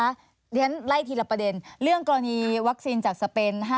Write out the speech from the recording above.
เพราะฉะนั้นไล่ทีละประเด็นเรื่องกรณีวัคซีนจากสเปน๕๐